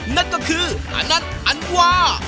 นั่นก็คืออันนั้นอันวา